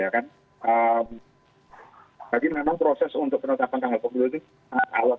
jadi memang proses untuk menetapkan tanggal empat belas februari itu awal